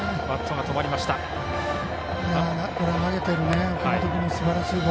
バットが止まっています。